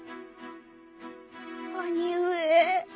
兄上。